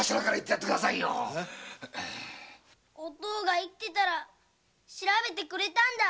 お父ぅが生きてたら調べてくれたんだ。